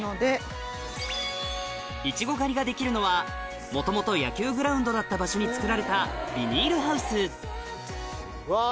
いちご狩りができるのはもともと野球グラウンドだった場所に作られたビニールハウスうわ！